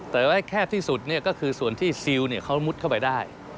แต่ว่าแคบที่สุดก็คือส่วนที่ซิลเขามุดเข้าไปได้